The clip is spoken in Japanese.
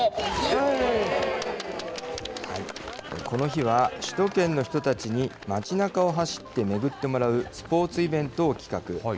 この日は首都圏の人たちに町なかを走って巡ってもらうスポーツイベントを企画。